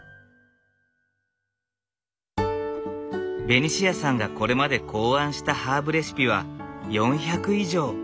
ベニシアさんがこれまで考案したハーブレシピは４００以上。